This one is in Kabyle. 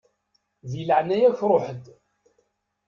Di leɛnaya-k ṛuḥ-d.